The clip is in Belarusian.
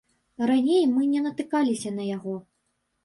Раней мы не натыкаліся на яго.